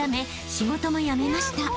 仕事も辞めました］